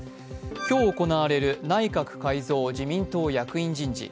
今日行われる内閣改造・自民党役員人事。